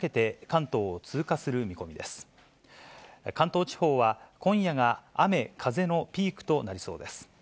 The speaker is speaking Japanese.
関東地方は、今夜が雨、風のピークとなりそうです。